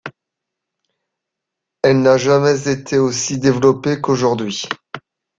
Elle n’a jamais été aussi développée qu’aujourd’hui.